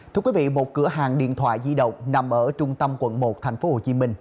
thưa quý vị một cửa hàng điện thoại di động nằm ở trung tâm quận một thành phố hồ chí minh